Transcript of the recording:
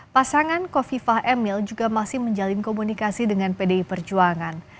pasangan kofifah emil juga masih menjalin komunikasi dengan pdi perjuangan